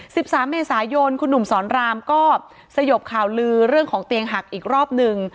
สามเมษายนคุณหนุ่มสอนรามก็สยบข่าวลือเรื่องของเตียงหักอีกรอบหนึ่ง